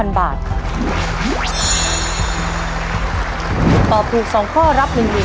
ถ้าตอบถูก๒ข้อรับ๑๐๐๐บาท